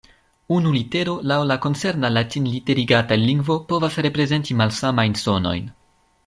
Unu litero laŭ la koncerna latinliterigata lingvo povas reprezenti malsamajn sonojn.